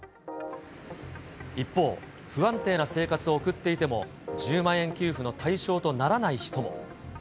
一方、不安定な生活を送っていても、１０万円給付の対象とならない人も。